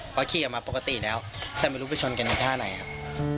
เพราะขี่ออกมาปกติแล้วแต่ไม่รู้ไปชนกันอีกท่าไหนครับ